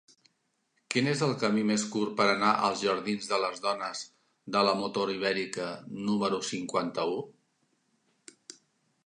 Quin és el camí més curt per anar als jardins de les Dones de la Motor Ibèrica número cinquanta-u?